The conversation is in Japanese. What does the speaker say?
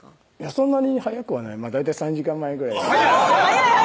そんなに早くはない大体３時間前ぐらい早い！